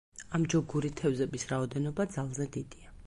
ამ ჯოგური თევზების რაოდენობა ძალზე დიდია.